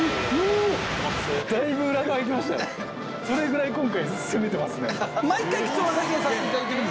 それぐらい。